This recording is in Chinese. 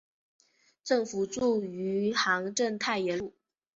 政府驻余杭镇太炎路。